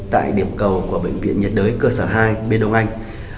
tại điểm cầu của bệnh viện nhiệt đới cơ sở hai bên đông anh